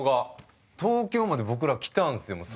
東京まで僕ら来たんすよ